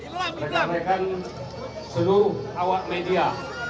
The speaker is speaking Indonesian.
mereka mereka seluruh awal media